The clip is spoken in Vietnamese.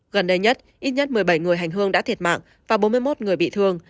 gần đây nhất ít nhất một mươi bảy người hành hương đã thiệt mạng và bốn mươi một người bị thương